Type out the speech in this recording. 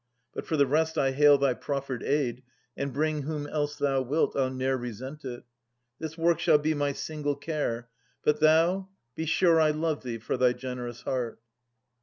But for the rest, I hail thy proifered aid ; And bring whom else thou wilt, I'll ne'er resent it. This work shall be my single care; but thou. Be sure I love thee for thy generous heart.